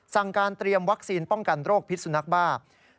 สั่งการเตรียมวัคซีนป้องกันโรคพิษสุนักบ้า